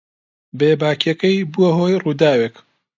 بێباکییەکەی بووە هۆی ڕووداوێک.